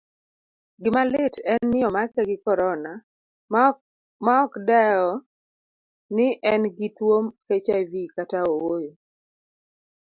Gimalit en ni omake gi corona maokdewo ni engi tuwo hiv kata ooyo.